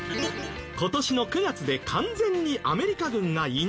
今年の９月で完全にアメリカ軍がいなくなる国。